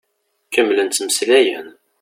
Kemmlen ttmeslayen.